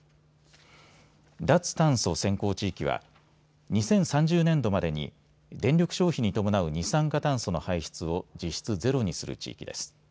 脱炭素先行地域は２０３０年度までに電力消費に伴う二酸化炭素の排出を実質ゼロにする地域です。